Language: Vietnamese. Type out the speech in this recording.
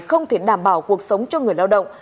không thể đảm bảo cuộc sống cho người lao động